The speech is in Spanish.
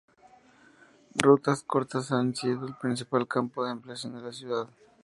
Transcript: Rutas cortas han sido el principal campo de aplicación en la ciudad.